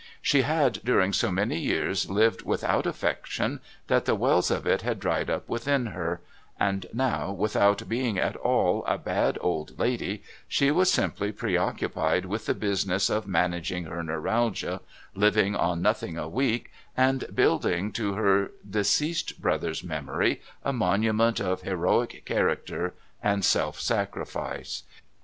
She had during so many years lived without affection that the wells of it had dried up within her, and now, without being at all a bad old lady, she was simply preoccupied with the business of managing her neuralgia, living on nothing a week, and building to her deceased brother's memory a monument, of heroic character and self sacrifice.